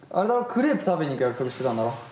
クレープ食べに行く約束してたんだろ？